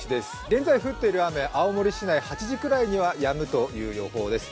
現在降っている雨、８時くらいにはやむという予報です